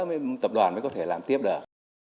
mới tập đoàn mới có thể làm tiếp được